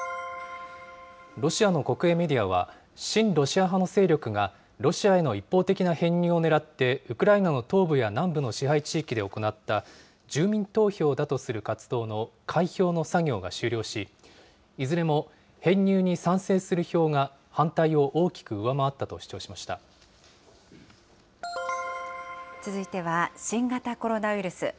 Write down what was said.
ロシアの国営メディアは、親ロシア派の勢力がロシアへの一方的な編入を狙って、ウクライナの東部や南部の支配地域で行った、住民投票だとする活動の開票の作業が終了し、いずれも編入に賛成する票が反対を大きく上回ったと続いては新型コロナウイルス。